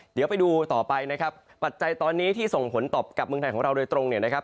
เดี๋ยวไปดูต่อไปนะครับปัจจัยตอนนี้ที่ส่งผลต่อกับเมืองไทยของเราโดยตรงเนี่ยนะครับ